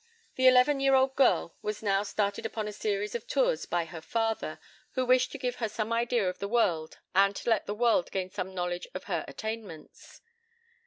The eleven year old girl was now started upon a series of tours by her father, who wished to give her some idea of the world, and to let the world gain some knowledge of her attainments.